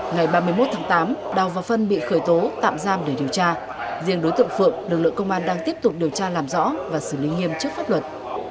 ngày ba mươi một tháng tám đào và phân bị khởi tố tạm giam để điều tra riêng đối tượng phượng lực lượng công an đang tiếp tục điều tra làm rõ và xử lý nghiêm chức pháp luật